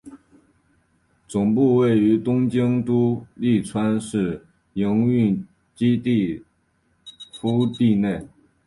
总部位于东京都立川市营运基地敷地内。